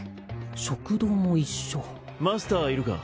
食堂も一緒マスターいるか？